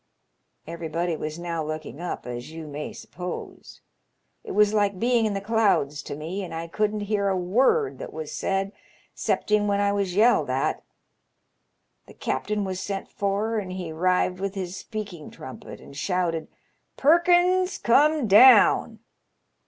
* Every body was now looking up, as you may suppose. It was like being in the clouds to me, and I couldn't hear a word that was said, 'cepting when I was yelled at. The captain was sent for, and he 'rived with his speak ing trumpet and shouted, * Perkins, come down.'